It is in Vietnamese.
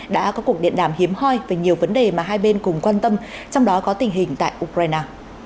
đã có cuộc điện đàm hiếm hoi về nhiều vấn đề mà hai bên cùng quan tâm trong đó có tình hình tại ukraine